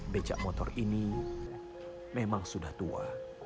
becak motor ini memang sudah tua